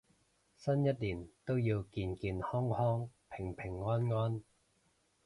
新一年都要健健康康平平安安